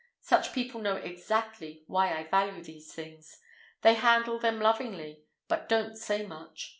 Such people know exactly why I value these things. They handle them lovingly, but don't say much.